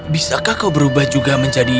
bisakah kau berubah juga menjadi